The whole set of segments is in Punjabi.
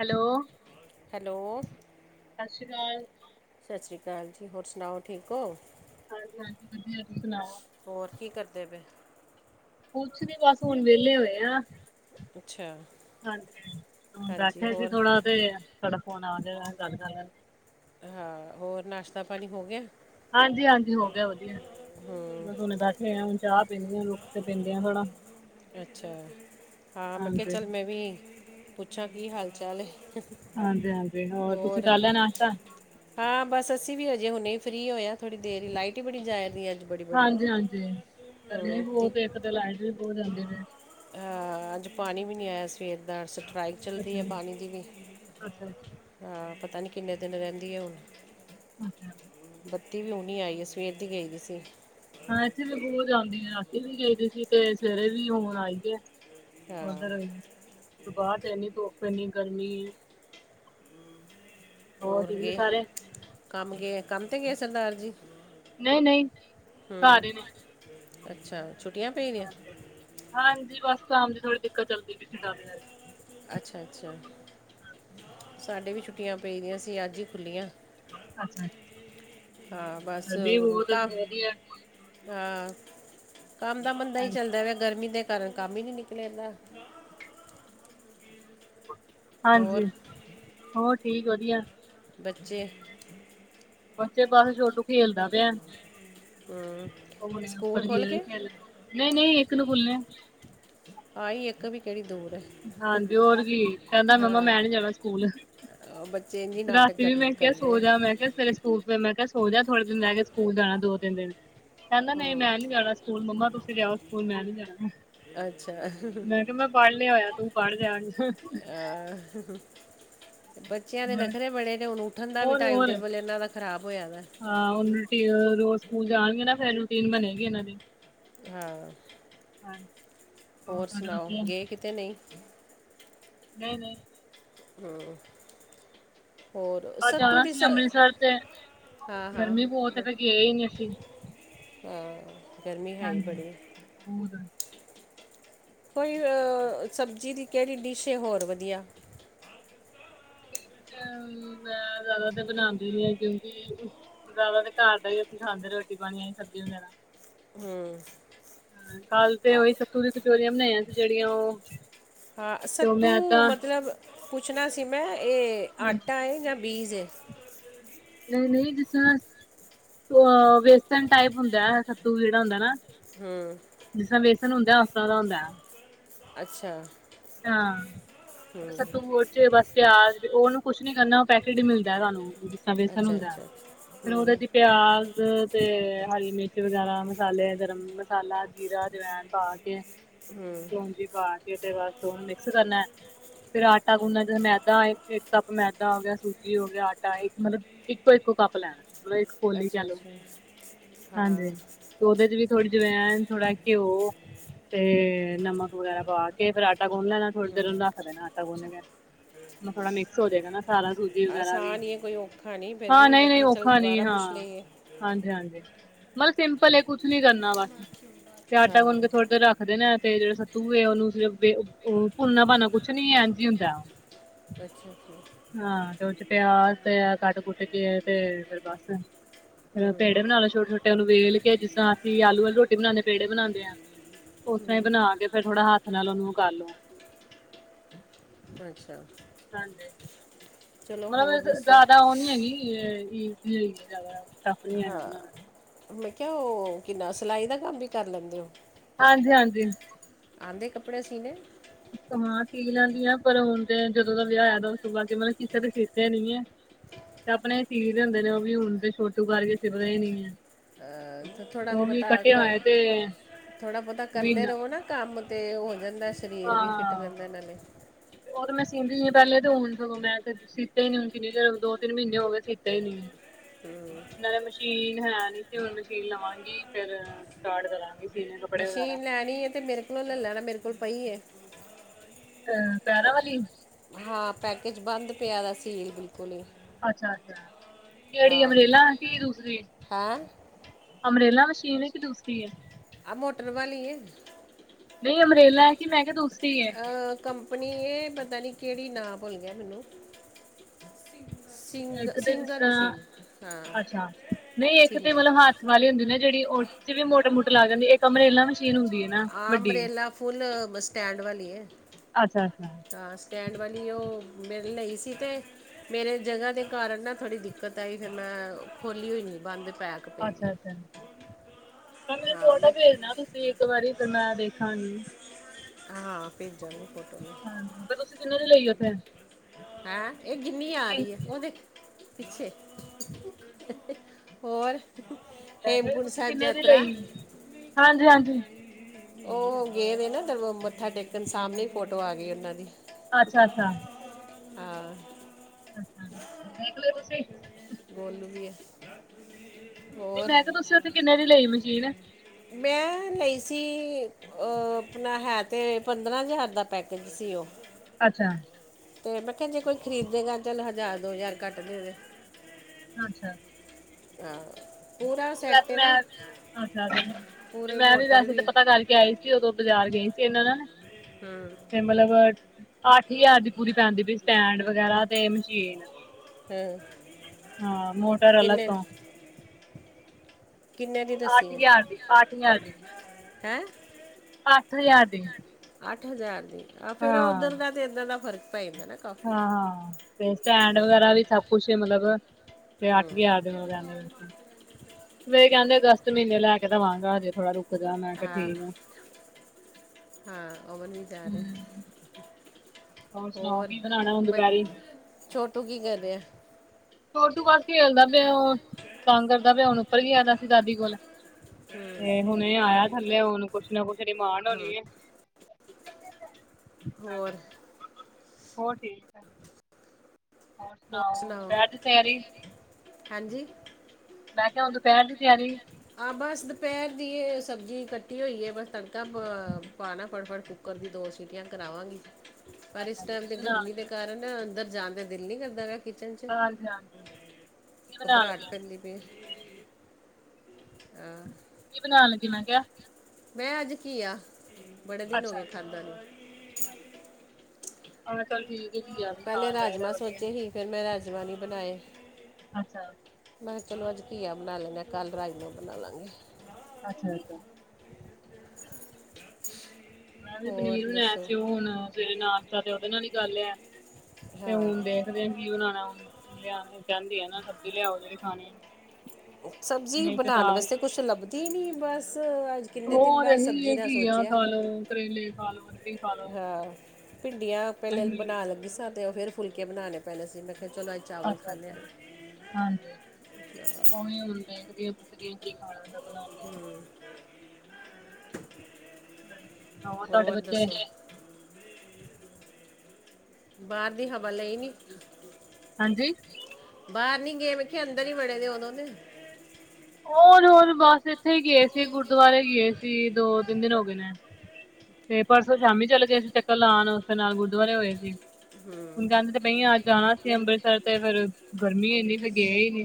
ਹੈਲੋ। ਹੈਲੋ। ਸਸ ਸ਼੍ਰੀ ਕਾਲ। ਸਸ ਸ਼੍ਰੀ ਕਾਲ ਜੀ, ਹੋਰ ਸੁਣਾਓ ਠੀਕ ਓ? ਹਾਂਜੀ-ਹਾਂਜੀ, ਵਧੀਆ, ਤੁਸੀਂ ਸੁਣਾਓ? ਹੋਰ ਕੀ ਕਰਦੇ ਪਏ? ਕੁੱਛ ਨੀ, ਬਸ ਹੁਣ ਵੇਲੇ ਹੋਏ ਆ। ਅੱਛਾ ਹਾਂਜੀ, ਹਾਂਜੀ ਬੈਠੇ ਸੀ ਹੋਰ ਥੋੜਾ ਤੇ ਤੁਹਾਡਾ ਫੋਨ ਆ ਗਿਆ, ਮੈਂ ਗੱਲ ਕਰਲਾ ਹਾਂ, ਹੋਰ ਨਾਸ਼ਤਾ ਪਾਣੀ ਹੋ ਗਿਆ? ਹਾਂਜੀ-ਹਾਂਜੀ ਹੋ ਗਿਆ ਵਧੀਆ, ਬ ਹੁਣੇ ਬੈਠ ਹੁਣ ਚਾਹ ਪੀਂਨੇ ਆ, ਲੁ ਕੇ ਪੀਂਦੇ ਆ ਥੋੜਾ। ਅੱਛਾ, ਹਾਂ ਮੈਂ ਕਿਆ ਹਾਂਜੀ ਚੱਲ ਮੈਂ ਵੀ ਪੁੱਛਾਂ, ਕੀ ਹਾਲ ਚਾਲ ਏ। ਹਾਂਜੀ-ਹਾਂਜੀ ਹੋਰ, ਤੁਸੀਂ ਕਰ ਲਿਆ ਨਾਸ਼ਤਾ? ਹਾਂ ਬਸ ਅਸੀਂ ਵੀ ਹਜੇ ਹੁਣੇ ਈ ਫਰੀ ਹੋਇਆ, ਥੋੜ੍ਹੀ ਦੇਰ ਈ ਲਾਈਟ ਈ ਬੜੀ ਜਾਇਰੀ ਦੀ ਅੱਜ। ਬੜੀ ਬੜੀ ਹਾਂਜੀ-ਹਾਂਜੀ, ਗਰਮੀ ਵੀ ਹੂੰ ਬੋਤ, ਇੱਕ ਤਾਂ ਲਾਈਟ ਵੀ ਬੋਤ ਜਾਂਦੀ ਵ। ਅ ਅੱਜ ਪਾਣੀ ਵੀ ਨੀ ਆਇਆ ਸਵੇਰ ਦਾ, ਸਟਰਾਈ ਕ ਚਲਦੀ ਐ ਅੱਛਾ ਪਾਣੀ ਦੀ ਵੀ, ਅੱਛਾ ਅੱਛਾ ਹਾਂ ਪਤਾ ਨੀ ਕਿੰਨੇ ਦਿਨ ਰੈਂਦੀ ਐ ਹੁਣ ਅੱਛਾ ਬੱਤੀ ਵੀ ਹੁਨੀ ਆਈ ਐ, ਸਵੇਰ ਦੀ ਗਈ ਦੀ ਸੀ। ਹਾਂ ਇੱਥੇ ਵੀ ਬੋਤ ਜਾਂਦੀ, ਰਾਤੀ ਵੀ ਗਈਦੀ ਸੀ, ਤੇ ਸਵੇਰੇ ਵੀ, ਹੁਣ ਆਈ ਐ। ਹਾਂ ਉਧਰ ਬਾਰ ਤੇ ਇੰਨੀ ਧੂਪ, ਇਨੀ ਗਰਮੀ ਹੋਰ ਠੀਕ ਨੇ ਗਏ, ਸਾਰੇ ਕੰਮ ਗਏ, ਕੰਮ ਤੇ ਗਏ ਸਰਦਾਰ ਜੀ? ਨਹੀਂ ਨਹੀਂ ਹੂ, ਘਰ ਹੀ ਨੇ ਅੱਛਾ, ਛੁੱਟੀਆਂ ਪਈ ਦੀਆਂ? ਹਾਂਜੀ ਹਾਂਜੀ, ਬਸ ਕਾਮ ਦੀ ਥੋੜੀ ਦਿੱਕਤ ਚੱਲਦੀ ਪਈ ਸੀ ਤਾਂ ਕਰਕੇ। ਅੱਛਾ-ਅੱਛਾ। ਸਾਡੇ ਵੀ ਛੁੱਟੀਆਂ ਪਈਦੀਆਂ ਸੀ, ਅੱਜ ਈ ਖੁੱਲ੍ਹੀਆਂ। ਅੱਛਾ। ਹਾਂ ਬਸ, ਗਰਮੀ ਓ ਬਹੁਤ ਹੈ ਕਾ ਸਗੋਂ ਵਧੀਆ ਅ ਕੰਮ ਦਾ ਮੰਦਾ ਈ ਹਾਂਜੀ ਚੱਲਦਾ ਰਿਆ, ਗਰਮੀ ਦੇ ਕਾਰਨ ਕੰਮ ਈ ਨੀ ਨਿਕਲੇਦਾ। ਹਾਂਜੀ, ਹੋਰ ਹੋਰ ਠੀਕ, ਵਧੀਆ। ਬੱਚੇ? ਬੱਚੇ ਬਸ, ਛੋਟੂ ਖੇਲਦਾ ਪਿਐ। ਹੂੰ ਹੁਣੇ ਸਕੂਲ ਉੱਪਰ ਗਈ ਖੁੱਲ ਐ ਕੇ ਖੇਲਣ ਨਈ-ਨਈ ਇੱਕ ਨੂੰ ਖੁੱਲਨੇਐ। ਆਈ ਇੱਕ ਵੀ ਕੇੜੀ ਦੂਰ ਐ। ਹਾਂਜੀ ਹੋਰ ਕੀ ਕੈਂਦਾ ਮੰਮਾ ਮੈਂ ਨੀ ਜਾਣਾ ਸਕੂਲ। ਉਹ ਬੱਚੇ ਇੰਨੀ ਨਾਟਕ ਰਾਤੀ ਕਰ ਵੀ ਮੈਂ ਕਿਆ ਕਰਦੇ ਆ ਸੋ ਜਾ ਮੈਂ ਕਿਆ ਫੇਰੇ ਸਕੂਲ ਫੇ ਮੈਂ ਕਿਆ ਸੋਜਾ ਥੋੜੇ ਦਿਨ ਰੈ ਗੇ ਸਕੂਲ ਜਾਣਾ ਦੋ ਤਿੰਨ ਦਿਨ ਕੈਂਦਾ ਨਈ ਹੂੰ ਮੈਂ ਨੀ ਜਾਣਾ। ਸਕੂਲ ਮੰਮਾ ਤੁਸੀਂ ਜਾਓ ਸਕੂਲ ਮੈਂ ਨੀ ਜਾਣਾ। ਅੱਛਾ। ਮੈਂ ਮੈਂ ਪੜ੍ਹ ਲਿਆ ਹੋਇਆ ਤੂੰ ਪੜ੍ਹ ਜਾ ਅ [unintelligible] ਬੱਚਿਆਂ ਦੇ ਨਖਰੇ ਬੜੇ ਨੇ ਹੁਣ ਉੱਠਣ ਦਾ ਵੀ ਹੋਰ ਟਾਈਮ ਹੋਰ ਟੇਬਲ ਏਨਾਂ ਦਾ ਖਰਾਬ ਹੋਇਆ ਵਾ। ਹਾਂ ਹੁਣ ਰੋਜ਼ ਸਕੂਲ ਜਾਣਗੇ ਨਾ ਫਿਰ ਰੂਟੀਨ ਬਣੇਗੀ ਇਹਨਾਂ ਦੀ ਹਾਂ ਹਮ [unintelligible] ਹੋਰ ਸੁਣਾਓ ਗਏ ਕਿਤੇ ਨਹੀਂ ਨਹੀਂ ਨਹੀਂ ਹਂ ਹੋਰ ਅ ਸੱਭ ਤੋਂ ਜਾਣਾ ਵਧੀਆ ਸੀ ਸ ਅੰਮ੍ਰਿਤਸਰ ਤੇ ਹਾਂ ਹਾਂ ਗਰਮੀ ਬਹੁਤ ਹੈ ਫਿਰ ਗਏ ਹੀ ਨੀ ਅਸੀਂ ਹਾਂ ਗਰਮੀਂ ਹੈ ਬੜੀ ਹੋਦਾ [unintelligible] ਕੋਈ ਸਬਜ਼ੀ ਦੀ ਕਿਹੜੀ ਡਿਸ਼ ਹੈ ਹੋਰ ਵਧੀਆ ਇਕ ਤੇ ਮੈਂ ਜ਼ਿਆਦਾ ਤਾਂ ਬਣਾਦੀ ਨਹੀਂ ਹੇਗੀ ਜ਼ਿਆਦਾ ਤਾਂ ਘਰ ਦਾ ਹੀ ਅਸੀਂ ਖਾਂਦੇ ਰੋਟੀ ਪਾਣੀ ਆ ਸਬਜ਼ੀ ਵਗੈਰਾ ਹਮ ਕੱਲ ਤੇ ਉਹੀ ਸੱਤੂ ਦੀ ਕਚੋਰੀਆਂ ਬਣਾਈਆਂ ਸੀ ਜਿਹੜੀਆਂ ਉਹ ਹਾਂ ਤੇ ਉਹ ਮੈਂ ਸੱਤੂ ਏਦਾਂ ਮਤਲਬ ਪੁੱਛਣਾ ਸੀ ਮੈਂ ਇਹ ਹਾਂਜੀ ਆਟਾ ਹੈ ਜਾਂ ਬੀਜ ਹੈ ਨਹੀਂ ਨਹੀਂ ਦੱਸਾਂ ਅ ਵੇਸਨ ਟਾਈਪ ਹੁੰਦਾ ਸੱਤੂ ਜਿਹੜਾ ਹੁੰਦਾ ਨਾ ਹੂੰ ਜਿਸ ਤਰ੍ਹਾਂ ਬੇਸਨ ਹੁੰਦਾ ਉਸ ਤਰ੍ਹਾਂ ਦਾ ਹੁੰਦਾ ਅੱਛਾ ਹਾਂ ਹੂੰ ਸੱਤੂ ਜੇ ਬਸ ਤਿਆਰ ਉਹਨੂੰ ਕੁੱਛ ਨੀ ਕਰਨਾ ਉਹ ਪੈਕੇਟ ਹੀ ਮਿਲਦਾ ਤੁਹਾਨੂੰ ਵੇਸਨ ਅੱਛਾ ਹੁੰਦਾ ਅੱਛਾ ਫਿਰ ਹੂੰ ਉਹਦੇ ਚ ਦੀ ਪਿਆਜ ਤੇ ਹਰੀ ਮਿਰਚ ਵਗੈਰਾ ਮਸਾਲੇ ਗਰਮ ਮਸਾਲਾ ਜੀਰਾ ਜਵਾਇਣ ਪਾ ਕੇ ਹਮ ਸੂਜੀ ਪਾ ਕੇ ਤੇ ਬਸ ਉਹਨੂੰ ਮਿਕਸ ਕਰਨਾ ਫਿਰ ਆਟਾ ਗੁੰਨਾ ਜਿਹੜਾ ਮੈਦਾ ਇੱਕ ਕੱਪ ਮੈਦਾ ਹੋ ਗਿਆ ਸੂਜੀ ਹੋ ਗਿਆ ਆਟਾ ਇੱਕ ਮਤਲਬ ਇੱਕੋ ਇੱਕੋ ਕੱਪ ਲੈਣਾ ਮਤਲੱਬ ਇੱਕ ਕੋਲੀ ਕਹਿ ਅੱਛਾ ਲਓ ਅੱਛਾ ਹਾਂਜੀ ਹਾਂ ਤੇ ਉਹਦੇ ਚੱ ਵੀ ਥੋੜ੍ਹੀ ਜਵੇਂ ਨ ਐ ਥੋੜਾ ਘਿਓ ਤੇ ਨਮਕ ਵਗੈਰਾ ਪਾ ਕੇ ਫਿਰ ਆਟਾ ਗੁੰਨ ਲੈਣਾ ਥੋੜ੍ਹੀ ਦੇਰ ਉਹਨੂੰ ਰੱਖ ਦੇਣਾ ਆਟਾ ਗੁੰਨ ਕੇ ਥੋੜਾ ਮਿਕਸ ਹੋ ਜਾਏਗਾ ਨਾ ਸਾਰਾ ਕੁਝ ਵਗੈਰਾ ਵੀ ਆਸਾਨ ਹੀ ਹੈ ਕੋਈ ਔਖਾ ਨਹੀਂ ਫਿਰ ਹਾਂ ਵੀ ਨਹੀਂ ਮੈਂ ਨਹੀਂ ਕਿਹਾ ਚਲ ਔਖਾ ਨੀ ਦੁਬਾਰਾ ਹਾਂ ਪੁੱਛ ਲਈਏ ਹਾਂਜੀ ਹਾਂਜੀ ਮਤਲੱਬ ਸਿੰਪਲ ਕੁੱਛ ਨੀ ਕਰਨਾ ਬਸ ਤੇ ਆਟਾ ਗੁੰਨ ਹਾਂ ਕੇ ਥੋੜੀ ਦੇਰ ਰੱਖ ਦੇਨਾ ਤੇ ਜਿਹੜੇ ਸੱਤੂ ਏ ਉਹਨੂੰ ਸਿਰਫ ਉਹ ਭੁਣਨਾ ਭਣਣਾ ਕੁੱਛ ਨੀ ਐਂਜੀ ਹੁੰਦਾਓ ਅੱਛਾ ਅੱਛਾ ਹਾਂ ਤੇ ਉਹ ਪਿਆਜ਼ ਤੇ ਕੱਟ ਕੁੱਟ ਕੇ ਤੇ ਫਿਰ ਬਸ ਪੇੜੇ ਬਣਾ ਲਓ, ਛੋਟੇ ਛੋਟੇ ਨੂੰ ਵੇਲ ਕੇ, ਜਿਸ ਤਰ੍ਹਾਂ ਅਸੀਂ ਆਲੂ ਆਲੀ, ਰੋਟੀ ਬਣਾਉਦੇ, ਪੇੜੇ ਬਣਾਉਦੇ ਹਾਂ ਉਸ ਤਰਾਂ, ਹੀ ਬਣਾ ਕੇ, ਫਿਰ ਥੋੜਾੱ ਹੱਥ ਨਾਲ ਉਹਨੂੰ ਕਰਲੋ ਅੱਛਾ। ਹਾਂਜੀ, ਚਲੋ ਹੋਰ ਮਤਲੱਬ ਦੱਸੋ ਜ਼ਿਆਦਾ ਉਹ ਨੀ ਹੈਗੀ, ਹੈਗੀ ਹੈ ਜ਼ਿਆਦਾ ਟਫ ਨੀ ਹੈਗਾ ਹਾਂ, ਬਣਾਉਣਾ ਮੈਂ ਕਿਹਾ ਉਹ ਕਿੰਨਾ ਸਿਲਾਈ ਦਾ ਕੰਮ ਵੀ ਕਰ ਲੈਂਦੇ ਹੋ? ਹਾਂਜੀ -ਹਾਂਜੀ। ਆਂਦੇ ਕੱਪੜੇ ਸੀਣੇ? ਕਮਾਂ ਸੀ ਲੈਂਦੀ ਆਂ, ਪਰ ਹੁਣ ਤੇ ਜਦੋਂ ਦਾ ਵਿਆਹ ਹੋਇਆ, ਉਸ ਤੋਂ ਬਾਅਦ ਕੇ ਮਤਲੱਬ, ਕਿਸੇ ਦੇ ਸੀਤੇ ਨਹੀਂ ਹੈ ਤੇ, ਆਪਣੇ ਸੀਦੇ ਹੁੰਦੇ ਨੇ, ਉਹ ਵੀ ਹੁਣ ਤੇ ਛੋਟੂ ਕਰਕੇ ਸਿਪਦੇ ਹੀ ਨੀ ਹੈ। ਆ, ਥੋੜ੍ਹਾ ਉਹ ਵੀ ਬਹੁਤਾ, ਕੱਟਿਆ ਹੋਇਆ ਤੇ ਥੋੜਾ ਬਹੁਤਾ, ਕਰਦੇ ਮਹੀਨਾ ਰਹੋ ਨਾ। ਕੰਮ ਤੇ, ਹੋ ਜਾਂਦਾ ਸਰੀਰ ਵੀ, ਫਿੱਟ ਹਾਂ ਰਹਿੰਦਾ ਇਹਨਾਂ ਨੇ ਉਹ, ਮੈਂ ਸੀਂਦੀ ਸੀ ਪਹਿਲੇ ਤੇ, ਹੁਣ ਸਗੋਂ ਮੈਂ ਤੇ ਸੀਤੇ ਹੀ ਨਹੀਂ, ਕਿੰਨੀ ਚਿਰ ਦੋ ਤਿੰਨ ਮਹੀਨੇ ਹੋ ਗਏ, ਸੀਤੇ ਹੀ ਨੀ ਹੈ। ਹ [unintelligible] ਨਾਲੇ ਮਸ਼ੀਨ ਹੈ ਨੀ, ਤੇ ਹੁਣ ਮਸ਼ੀਨ ਲਵਾਂਗੀ ਫਿਰ ਸਟਾਰਟ ਕਰਾਂਗੇ। ਮਸ਼ੀਨ ਲੈਣੀ ਤੇ, ਮੇਰੇ ਕੋਲੋਂ ਲੈ ਲੈਣਾ, ਮੇਰੇ ਕੋਲ ਪਈ ਹੈ। ਅਹ, ਪੈਰਾਂ ਵਾਲੀ ਹਾਂ, ਪੈਕੇਜ ਬੰਦ ਪਿਆ, ਵਾ ਸੀਲ ਬਿਲਕੁਲ ਹੀ। ਅੱਛਾ -ਅੱਛਾ, ਕਿਹੜੀ ਹਾਂ ਅਮਰੇਲਾ ਕੀ ਦੂਸਰੀ? ਹਾਂ ਅੰਮਰੇਲਾ ਮਸ਼ੀਨ ਹੈ ਕਿ ਦੂਸਰੀ ਹੈ? ਆਹ, ਮੋਟਰ ਵਾਲੀ ਏ। ਨਹੀਂ ਅੰਮਰੇਲਾ, ਕਿ ਮੈਂ ਕਿਹਾ ਦੂਸਰੀ ਹੈ ਕੰਪਨੀ, ਇਹ ਪਤਾ ਨਹੀਂ, ਕਿਹੜੀ ਨਾਂ ਭੁੱਲ ਗਿਆ ਮੈਨੂੰ ਸਿੰਗ ਇੱਕ ਤੇ, ਜਿਸ ਸਿੰਗਰ ਤਰ੍ਹਾਂ, ਮਸ਼ੀਨ ਹਾਂ ਅੱਛਾ, ਨਹੀਂ ਇੱਕ ਤੇ ਸਿੰਗਰ ਮਤਲਬੱ ਹਾ। ਵਾਲੀ ਹੁੰਦੀ ਨਾ, ਜਿਹੜੀ ਉਹ ਚ ਵੀ ਮੋਟੇ ਮੋਟਾ ਲਾ ਜਾਂਦੀ ਇੱਕ ਅਮਰੇਲਾਂ ਆ, ਅੰਬਰੇਲਾ ਫੁੱਲ, ਸਟੈਂਡ ਵਾਲੀ ਹੈ ਅੱਛਾ ਅੱਛਾ ਹਾਂ ਸਟੈਂਡ ਵਾਲੀ, ਉਹ ਮਿਲ ਰਹੀ ਸੀ ਤੇ ਮੇਰੇ ਜਗ੍ਹਾ ਦੇ ਕਾਰਨ ਨਾ, ਥੋੜ੍ਹੀ ਦਿੱਕਤ ਆਈ, ਫਿਰ ਮੈਂ ਖੋਲੀ ਹੋਈ ਨ ਬੰਦ ਪੈਕ ਪਈ ਦੀ ਅੱਛਾ ਹੈ। -ਅੱਛਾ। ਕਲ ਹਾਂ ਫੋਟੋ ਮੈਂ ਭੇਜਣਾ, ਤੁਸੀਂ ਇੱਕ ਵਾਰੀ ਫਿਰ ਮੈਂ ਦੇਖਾਂਗੀ। ਹਾਂ, ਭੇਜਾਂਗੇ ਫੋਟੋ ਨੂੰ। ਕਿਨੇ ਦੀ ਲਈ ਹੈ ਭੈਣ? ਹੈਂ, ਇਹ ਗਿਨੀ ਆ ਰਹੀ ਹੈ ਉਹ ਦੇਖ ਪਿੱਛੇ, ਹੋਰ ਪੈਸੇ ਹੇਮਕੁੰਡ ਤੁਸੀਂ ਸਾਹਿਬ ਕਿੰਨੇ ਦੀ ਯਤਰਾ। ਲਈ ਹਾਂਜੀ ਹਾਂਜੀ ਉਹ ਗਏ ਨਾ, ਮੱਥਾ ਟੇਕਣ ਸਾਹਮਣੇ ਫੋਟੋ ਆ ਗਈ ਉਹਨਾਂ ਦੀ ਅੱਛਾ -ਅੱਛਾ। ਆਂ। ਹਾਂ। ਦੇਖਲੋ, ਤੁਸੀਂ। ਗੋਲੂ ਵੀ ਹੈ। ਨਹੀਂ ਹੋਰ ਮੈਂ ਕਿਹਾ, ਤੁਸੀਂ ਉੱਥੇ ਕਿੰਨੇ ਦੀ ਲਈ ਮਸ਼ੀਨ? ਮੈਂ, ਲਈ ਸੀ ਅ, ਆਪਣਾ ਹੈ, ਤੇ ਪੰਦਰਾਂ ਹਜ਼ਾਰ ਦਾ ਪੈਕੇਜ ਸੀ, ਉਹ ਅੱਛਾ। ਤੇ ਮੈਂ ਕਿਹਾ, ਜੇ ਕੋਈ ਖਰੀਦੇ ਗਾ, ਚੱਲ ਹਜ਼ਾਰ ਦੋ ਹਜ਼ਾਰ ਕੱਟ ਦੇ ਦੇ। ਅੱਛਾ। [unintelligible] ਸੈੱਟ ਵੈਸੇ ਹੈ ਨਾ ਮੈਂ, ਅੱਛ ਪੂਰੇ ਅਮੈਂ ਵੀ ਮੋਟਰ ਵੈਸੇ ਤਾਂ ਪਤਾ ਕਰਕੇ ਆਈ ਸੀ। ਉਦੋਂ ਬਾਜ਼ਾਰ ਗਈ ਸੀ ਏਨਾਂ ਨਾਲ ਹੂੰ ਮਲਬ ਅੱਠ ਹਜ਼ਾਰ ਦੀ ਪੂਰੀ ਪੈਂਦੀ ਪਈ ਸਟੈਂਡ ਵਗੈਰਾ ਤੇ ਮਸ਼ੀਨ ਹੂੰ ਹਾਂ ਮੋਟਰਟਰ ਅਲਗ ਕਿੰਨੇ ਤੋਂ। ਕੇਨੇ ਦੀ ਦੱੱਸੀ ਅੱਠ ਐ, ਹਜ਼ਾਰ ਦੀ ਅੱਠ ਹਜ਼ਾਰ ਦੀ ਹੈਂ? ਅੱਠ ਹਜ਼ਾਰ ਦੀ। ਅੱਠ ਹਜ਼ਾਰ ਦੀ ਆ ਹਾਂ ਫੇਰ ਓ ਦਾ ਤੇ ਏਦਾਂ ਦਾ ਫ਼ਰਕ ਪਏਗਾ ਨਾ ਕਾਫੀ ਹਾਂ-ਹਾਂ ਤੇ ਸਟੈਂਡ ਵਗੈਰਾ ਵੀ ਸਭ ਕੁਛ ਮਲਬ ਤੇ ਹੂੰ ਅੱਠ ਹਜ਼ਾਰ ਦੇ [unintelligible] ਵੇ ਕੈਂਦੇ ਅਗਸਤ ਮੀਨੇ ਲੈ ਕੇ ਦੇਵਾਂਗਾ ਹਜੇ ਥੋੜਾ ਰੁਕ ਜਾ ਮੈਂ ਕੇਆ ਠੀਕ ਆ। ਹਾਂ ਓ ਵੀ ਨੀ ਜਾ ਹਮ ਰੇਆ ਸੁਣਾਓ ਹੋਰ ਕੀ ਬਣਾਉਣਾ ਹੁਣ ਬਾ ਦੁਪਹਿਰੀ ਛੋਟੂ ਕੀ ਕਰ ਰੇਆ? ਛੋਟੂ ਕੁਛ ਨੀ ਖੇਲਦਾ ਪੇਆ ਤੰਗ ਕਰਦਾ ਪੇਆ ਹੁਣ ਉੱਪਰ ਗੇਆ ਸੀ ਦਾਦੀ ਕੋਲ ਹਮ, ਤੇ ਹੁਣੇ ਆਇਆ ਥੱਲੇ ਹੁਣ ਕੁਛ ਨਾ ਕੁਛ ਰੀਮਾਂਡ ਹੋਣੀ ਐ। ਹੋਰ ਹਾਜੀ ਹੋਰ ਠੀਕ ਆ। ਹੋਰ ਸੁਣਾਓ ਦੁਪਹਿਰ ਦੀ ਤਿਆਰੀ ਹਾਂਜੀ? ਮੈਂ ਕੇਆ ਹੁਣ ਦੁਪੈਰ ਦੀ ਤੇਆਰੀ ਹਾਂ ਬਸ ਦੁਪੈਰ ਦੀ ਸਬਜ਼ੀ ਕੱਟੀ ਹੋਈ ਏ ਬਸ ਤੜਕਾ ਪੇਆ ਪਾਣਾ ਫਰਫਰ ਕੇ ਕੁੱਕਰ ਦੀ ਦੋ ਸੀਟੀਆਂ ਕਰਾਵਾਂਗੀ ਪਰ ਇਸ ਟਾਈਮ ਕੀ ਦੇ ਬਣਾਉਣ ਗਰਮੀ ਲੱਗੇ ਦੇ ਕਾਰਨ ਅੰਦਰ ਜਾਣ ਦਾ ਦੇਲ ਨੀ ਕਰਦਾ ਕੀਚਨ ਚ ਹਾਂਜੀ ਹਾਂਜੀ ਕੀ ਬਣਾਉਣ ਘਬਰਾਟ ਲੱਗਿਆ ਪੈਂਦੀ ਪੈਂ ਏ ਕੀ ਬਣਾਣ ਲੱਗੀ ਮੈਂ ਕੇਆ? ਮੈਂ ਅੱਜ ਕੀਆ, ਬੜੇ ਦੇਨ ਹੋ ਗਏ ਖਾਧਾਂ ਨੀ ਆਹੋ ਚੱਲ ਠੀਕ ਕੀਆ ਵੀ ਹਾਂ ਚਾਈਦਾ ਵਧੀਆ ਫੇਰ ਮੈਂ ਰਾਜਮਾ ਨੀ ਬਣਾਏ ਅੱਛਾ ਮੈਂ ਕੇਆ ਚਲੋ ਅੱਜ ਘੀਆ ਬਣਾ ਲੈਂਨੇ ਕੱਲ ਰਾਜਮਾਂ ਬਣਾ ਲਾਂਗੇ ਅੱਛਾ ਮੈਂ ਵੀ ਹੋਰ ਪਨੀਰ ਬਣੲਏਆ ਦੱਸੋ ਸੀ ਓ ਹੁਣ ਸਵੇਰੇ ਨਾਸ਼ਤਾ ਤੇ ਓਦੇ ਨਾਲ ਈ ਗੱਲ ਹੈ ਤੇ ਹੁਣ ਦੇ ਹਾਂ ਦੇ ਹ ਕੀ ਬਣਾਣਾ ਹੁਣ ਲੇਆਣਾ ਚਾਈਦੀ ਆ ਸਬਜ਼ੀ ਲੇਆਓ ਜੇੜੀ ਖਾਣੀ ਆ ਸਬਜ਼ੀ ਬਣਾਣ ਵੈਸੇ ਕੁਛ ਲੱਭਦੀ ਨੀ ਬਸ ਕਿੰਨੇ ਦਿਨ ਹੋਰ ਬਾਅਦ ਐਹੀ ਆ ਸਬਜ਼ੀ ਦਾ ਘੀਆਂ ਸੋਚਿਆ ਖਾ ਸੀ। ਲੋ ਕਰੇਲੇ ਖਾ ਲੋ ਅਰਬੀ ਖਾ ਲੋ ਭਿੰਡੀਆਂ ਪੈਲੇ ਇਹੀ ਬਣਾ ਲੱਗੀ ਸ ਤੇ ਓ ਫੇਰ ਫੁਲਕੇ ਬਣਾਣੇ ਪੈਣੇ ਸੀ ਮੈਂ ਕੇਆ ਚਲੋ ਚਾਵਲ ਖਾਣੇ ਅੱਛਾ-ਅੱਛਾ ਆ ਹਾਂਜੀ ਓਹੀ ਹੁੰਦਾ ਕਦੀ ਪੁੱਛਦੀ ਕੀ ਖਾਣਾ ਬਣਾਦੇ ਆ ਤੁਹਾਡੇ ਹੋਰ ਬੱਚੇ ਦਸੋ? ਬਾਰ ਦੀ ਹਵਾ ਲਈ ਨੀ ਹਾਂਜੀ? ਬਾਰ ਨੀ ਗਏ ਮੇ ਕੇਆ ਅੰਦਰ ਈ ਵੜੇ ਨੇ ਉਦੋਂ ਦੇ? ਓ ਰੋਲ ਬਸ ਏਥੇ ਈ ਗਏ ਸੀ ਗੁਰਦੁਆਰੇ ਗਏ ਸੀ ਦੋ- ਤਿੰਨ ਦੇਨ ਹੋ ਗਏ ਨੇ ਤੇ ਪਰਸੋਂ ਸ਼ਾਮੀ ਚਲੇ ਗਏ ਸੀ ਚੱਕਰ ਲਾਣ ਓਸਦੇ ਨਾਲ ਗੁਰਦੁਆਰੇ ਹੋਏ ਸੀ ਹੁਣ ਹੂੰ ਕੈਂਦੇ ਬਈ ਆ ਜਾਣਾ ਸੀ ਅੰਬਰਸਰ ਤੇ ਫਿਰ ਗਰਮੀ ਏਨੀ ਫਿਰ ਗਏ ਈ ਨੀ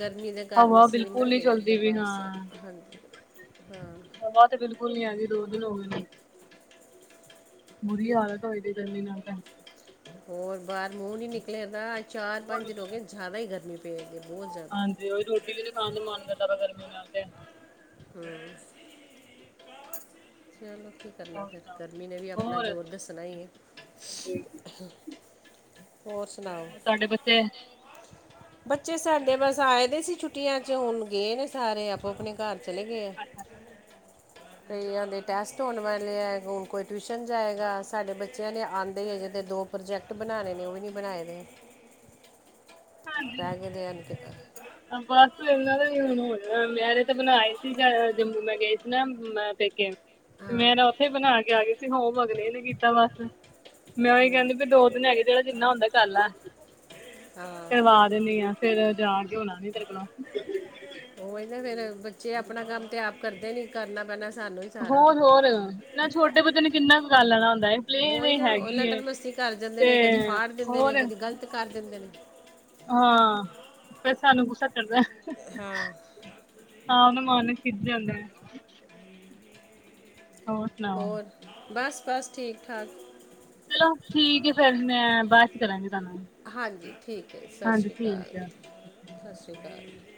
ਗਰਮੀ ਦੇ ਕਾਰਨ ਹਵਾ ਅਸੀਂ ਵੀ ਨਾ ਬਿਲਕੁਲ ਨੀ ਗਏ ਚਲਦੀ ਵੀ ਦਰਬਾਰ ਹਾਂ ਸਾਹਿਬ ਹਾਂਜੀ ਹਾਂ। ਓ ਤੇ ਬਿਲਕੁਲ ਨੀ ਆਂਦੀ ਦੋ ਦਿਨ ਹੋ ਗਏ ਨੇ। ਬੁਰੀ ਹਾਲਤ ਹੋਈ ਦੀ ਗਰਮੀ ਨਾਲ ਤੇ ਹੋਰ ਬਾਰ ਮੂੰਹ ਨੀ ਨਿਕਲਿਆ ਦਾ ਚਾਰ ਪੰਜ ਲੋਕ ਜਾਦਾ ਹੀ ਗਰਮੀ ਪਿਆ ਕਰਦੀ ਬੋਤ ਹਾਂਜੀ ਉਹੀ ਰੋਟੀ ਵੀ ਨਾ ਖਾਣ ਦਾ ਮਨ ਕਰਦਾ ਪਿਆ ਗਰਮੀ ਨਾਲ ਤੇ [inaudible] ਚਲੋ ਕੀ ਕਰਨਾ ਹੋਰ ਫਿਰ ਸੁਣਾਓ ਗਰਮੀ ਨੇ ਵੀ ਆਪਣਾ ਹੋਰ ਜ਼ੋਰ ਦੱਸਣਾ ਈ ਏ। ਹਾਂਜੀ ਹੋਰ ਸੁਣਾਓ। ਤੁਹਾਡੇ ਬੱਚੇ ਬੱਚੇ ਸਾਡੇ ਬਸ ਆਏ ਦੇ ਸੀ ਛੁੱਟੀਆਂ 'ਚ ਹੁਣ ਗਏ ਨੇ ਸਾਰੇ ਆਪੋ ਆਪਣੇ ਘਰ ਚਲੇ ਗਏ ਆ। [inaudible] ਕਈਆ ਦੇ ਟੈਸਟ ਹੋਣ ਵਾਲੇ ਹੈ ਹੁਣ ਕੋਈ ਟਿਊਸ਼ਨ ਜਾਏਗਾ ਸਾਡੇ ਬੱਚਿਆਂ ਦੇ ਆਂਦੇ ਈ ਹਜੇ ਦੇ ਦੋ ਪ੍ਰੋਜੈਕਟ ਬਣਾਣੇ ਨੇ ਓ ਵੀ ਨਈ ਬਣਾਏ ਦੇ। [inaudible] ਬਸ ਇਹਨਾਂ ਦਾ ਹੁਣ ਹੋ ਮੈਂਰੇ ਤਾਂ ਬਣਾ ਆਈ ਸੀ ਜੰਮੂ ਮੈਂ ਗਏ ਸੀ ਨਾ ਮੈਂ ਪੇਕੇ ਤੇ ਮੈਂ ਹਾਂ ਨਾ ਉੱਥੇ ਬਣਾ ਕੇ ਆ ਗੀ ਸੀ ਹੋਮ ਵਰਕ ਨੀ ਕੀਤਾ ਬਸ ਮੈਂ ਉਹੀ ਕੈਂਦੀ ਵੀ ਦੋ ਦਿਨ ਹੈਗੇ ਜੇੜਾ ਜਿੰਨਾ ਹੁੰਦਾ ਕੱਲ ਆ ਹਾਂ ਕਰਵਾ ਦਿਨੀ ਆ ਫੇਰ ਜਾ ਕੇ ਹੋਣਾ ਨ ਤੇਰੇ ਕੋਲੋਂ ਉਹੀ ਨਾ ਫਿਰ ਬੱਚੇ ਆਪਣਾ ਕੰਮ ਤੇ ਆਪ ਕਰਦੇ ਨੀ ਕਰਨਾ ਪੈਣਾ ਸਾਨੂੰ ਸਾਰਾ ਹੋਰ-ਹੋਰ ਨਾ ਛੋਟੇ ਬੱਚ ਨੇ ਕਿੰਨਾ ਕੁ ਕਰ ਲੈਣ ਦਾ ਹੁੰਦਾ ਇਹ ਪਲੇਅ ਵੇ ਹੈਗੀ ਏ। ਘਰ ਜਾਂਦੇ ਤੇ ਨੇ ਕਦੀ ਫਾੜ ਦਿੰਦੇ ਨੇ ਹੋਰ ਕਦੀ ਗ਼ਲਤ ਕਰ ਦਿੰਦੇ ਨੇ। ਹਾਂ ਫਿਰ ਸਾਨੂੰ ਗੁੱਸਾ ਚੜਦਾ। ਹਾਂ ਹਾਂ ਮੈ ਮਨ ਖਿਜ ਜਾਂਦਾ। ਹੋਰ ਸੁਣਾਓ ਹੋਰ ਬਸ-ਬਸ ਠੀਕ ਠਾਕ। ਚਲੋ ਠੀਕ ਹੈ ਫਿਰ ਮੈਂ ਬਾਦ 'ਚ ਕਰਾਂਗੀ ਤੁਹਾਨੂੰ ਹਾਂਜੀ ਠੀਕ ਹੈ ਸਤਿ ਹਾਂਜੀ ਸ੍ਰੀ ਅਕਾਲ ਠੀਕ ਆ ਸਤਿ ਸ੍ਰੀ ਅਕਾਲ।